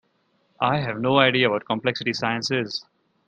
I have no idea what complexity science is.